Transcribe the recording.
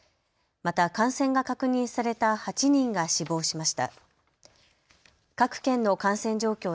また感染が確認された８人が死亡しました。